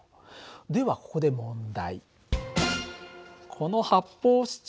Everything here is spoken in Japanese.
ではここで問題。